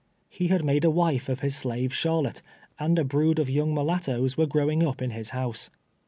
He had made a wife of his slave Charlotte, and a brood of young mulattoes were growing up in his house.